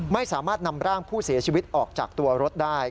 ไม่สามารถนำร่างผู้เสียชีวิตออกจากตัวรถได้